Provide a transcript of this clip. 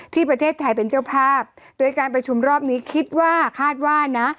ที่ประเทศไทยเป็นเจ้าภาพโดยการประชุมรอบนี้คิดว่าคาดว่านะ